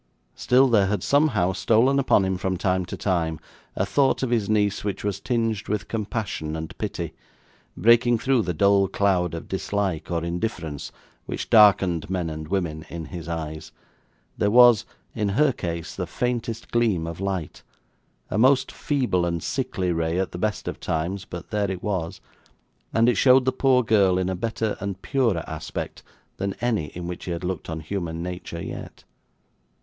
Still, there had somehow stolen upon him from time to time a thought of his niece which was tinged with compassion and pity; breaking through the dull cloud of dislike or indifference which darkened men and women in his eyes, there was, in her case, the faintest gleam of light a most feeble and sickly ray at the best of times but there it was, and it showed the poor girl in a better and purer aspect than any in which he had looked on human nature yet.